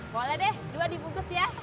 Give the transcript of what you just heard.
boleh deh dua dibungkus ya